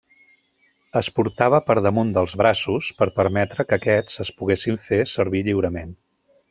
Es portava per damunt dels braços, per permetre que aquests es poguessin fer servir lliurement.